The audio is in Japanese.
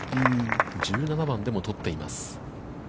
１７番でも取っています。